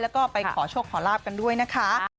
แล้วก็ไปขอโชคขอลาบกันด้วยนะคะ